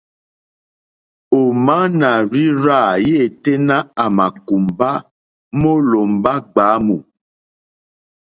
Ò má nà rzí rzâ yêténá à mà kùmbá mólòmbá gbǎmù.